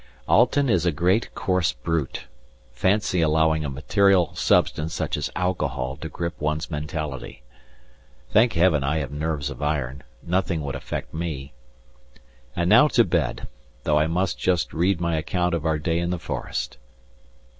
Alten is a great coarse brute. Fancy allowing a material substance such as alcohol to grip one's mentality. Thank Heaven I have nerves of iron; nothing would affect me! And now to bed, though I must just read my account of our day in the forest.